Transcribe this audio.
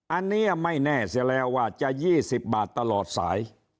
อันนี้ไม่แน่เสียแล้วว่าจะ๒๐บาทตลอดสาย